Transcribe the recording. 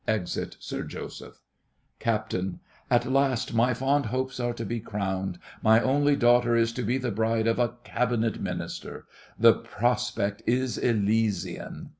[Exit SIR JOSEPH. CAPT. At last my fond hopes are to be crowned. My only daughter is to be the bride of a Cabinet Minister. The prospect is Elysian.